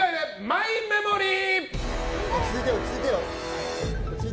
マイメモリー！